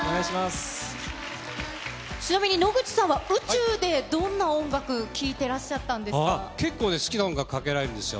ちなみに野口さんは宇宙でどんな音楽、結構ね、好きな音楽かけられるんですよ。